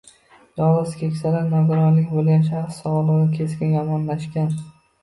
Yolgʻiz keksalar, nogironligi boʻlgan shaxslar sogʻligi keskin yomonlashgan